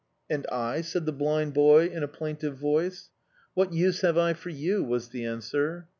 "And I?" said the blind boy in a plaintive voice. "What use have I for you?" was the answer.